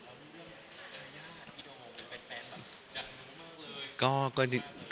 แล้วเรื่องรายละครพี่โดโหเป็นแฟนหรือเป็นอย่างน้องเลย